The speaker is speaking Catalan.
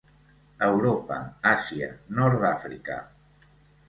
Europa, Àsia, nord d'Àfrica.